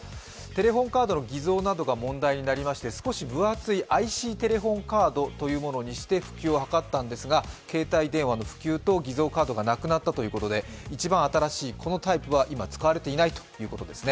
テレホンカードの偽造などが問題になりまして、少し分厚いＩＣテレホンカードにして普及を図ったんですが、携帯電話の普及と偽造カードがなくなったということで一番新しいこのタイプは今使われていないということです。